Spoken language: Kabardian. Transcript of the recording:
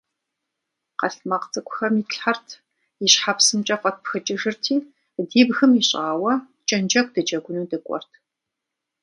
Къэлтмакъ цӀыкӀухэм итлъхьэрт, и щхьэпсымкӀэ фӀэтпхыкӀыжырти, ди бгым ищӏауэ кӀэнджэгу дыджэгуну дыкӀуэрт.